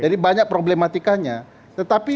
jadi banyak problematikanya tetapi